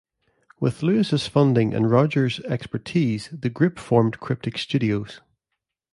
With Lewis' funding and Rogers' expertise, the group formed Cryptic Studios.